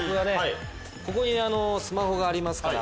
ここにスマホがありますから。